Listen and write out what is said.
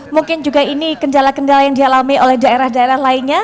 mungkin juga ini kendala kendala yang dialami oleh daerah daerah lainnya